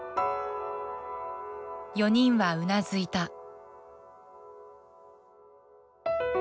４人はうなずいた。